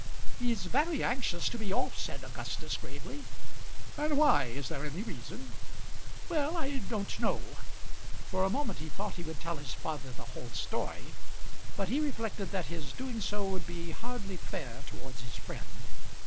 "He's very anxious to be off," said Augustus gravely. "And why? Is there any reason?" "Well; I don't know." For a moment he thought he would tell his father the whole story; but he reflected that his doing so would be hardly fair towards his friend.